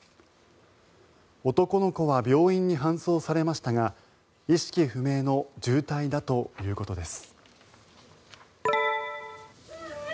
男の子は病院に搬送されましたが意識不明の重体だということです。